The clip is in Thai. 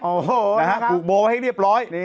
โอ้โหนะฮะผูกโบไว้ให้เรียบร้อย